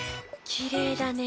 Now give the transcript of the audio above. きれいだね。